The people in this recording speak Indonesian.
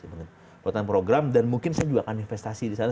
buatan program dan mungkin saya juga akan investasi di sana